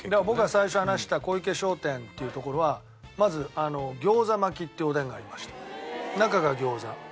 僕が最初話した小池商店っていうところはまず餃子巻きっていうおでんがありまして中が餃子。